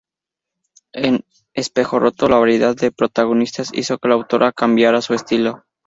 En "Espejo roto" la variedad de protagonistas hizo que la autora cambiara su estilo.